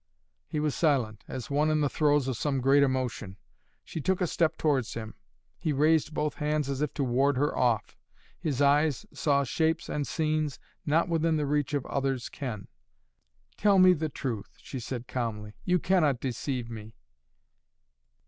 He was silent, as one in the throes of some great emotion. She took a step towards him. He raised both hands as if to ward her off. His eyes saw shapes and scenes not within the reach of other's ken. "Tell me the truth," she said calmly. "You cannot deceive me!"